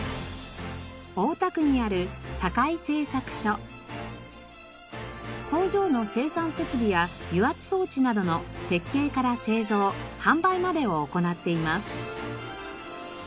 大田区にある工場の生産設備や油圧装置などの設計から製造販売までを行っています。